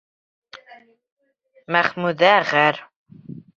Мәхмүзә ғәр.